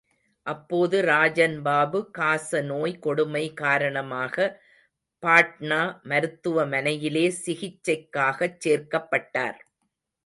அப்போது ராஜன் பாபு காச நோய் கொடுமை காரணமாக பாட்னா மருத்துவமனையிலே சிகிச்சைக்காகச் சேர்க்கப்பட்டார்.